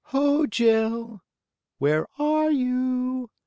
Ho, Jill! Where are you?